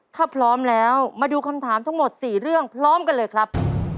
ถ้าพร้อมแล้วมาดูคำถามทั้งหมด๔เรื่องพร้อมกันเลยครับ